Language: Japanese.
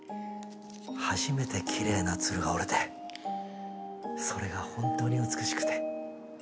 初めてきれいな鶴が折れてそれが本当に美しくて。